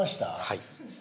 はい。